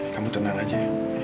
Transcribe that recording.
kamu tenang aja